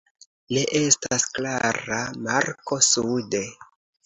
Ne estas klara marko sude.